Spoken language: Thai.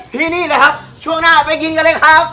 นี่แหละครับช่วงหน้าไปกินกันเลยครับ